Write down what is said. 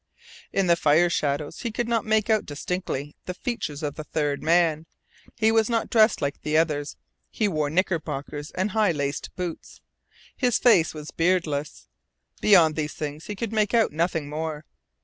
In the fire shadows he could not make out distinctly the features of the third man. He was not dressed like the others. He wore knickerbockers and high laced boots. His face was beardless. Beyond these things he could make out nothing more.